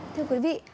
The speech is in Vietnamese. thưa quý vị